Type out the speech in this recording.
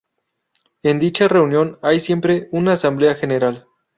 En dicha reunión hay siempre una Asamblea General.